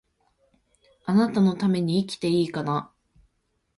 貴方のために生きていいかな